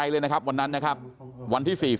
พี่สาวของเธอบอกว่ามันเกิดอะไรขึ้นกับพี่สาวของเธอ